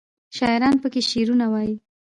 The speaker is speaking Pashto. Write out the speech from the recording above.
شاعران پکې شعرونه وايي.